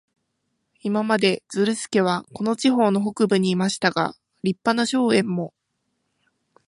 今まで、ズルスケはこの地方の北部にいましたが、立派な荘園も、